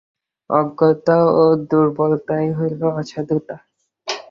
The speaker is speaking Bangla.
অজ্ঞতা ও দুর্বলতাই হইল অসাধুতা।